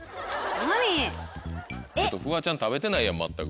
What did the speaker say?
フワちゃん食べてないやん全く。